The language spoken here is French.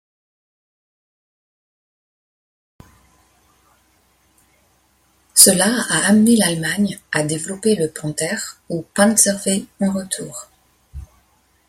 Cela a amené l'Allemagne à développer le Panther ou Panzer V en retour.